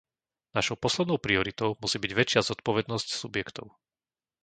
Našou poslednou prioritou musí byť väčšia zodpovednosť subjektov.